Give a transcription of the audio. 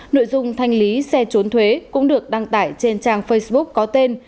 nội dung thanh lý xe trốn thuế cũng được đăng tải trên trang facebook có tên